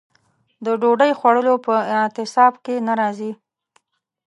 د ډوډۍ خوړلو په اعتصاب کې نه راځي.